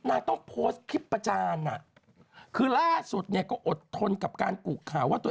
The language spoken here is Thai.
นางคิดแบบว่าไม่ไหวแล้วไปกด